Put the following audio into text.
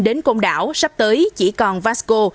đến côn đảo sắp tới chỉ còn vasco